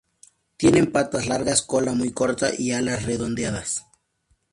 Tienen patas largas, cola muy corta y alas redondeadas.